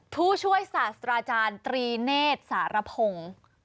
ทูช่วยสาสราจารณ์ตรีเนศสารพง